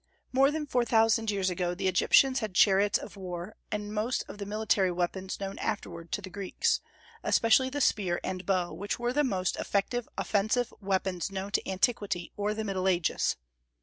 More than four thousand years ago the Egyptians had chariots of war and most of the military weapons known afterward to the Greeks, especially the spear and bow, which were the most effective offensive weapons known to antiquity or the Middle Ages.